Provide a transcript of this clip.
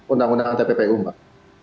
undang undang tpu pak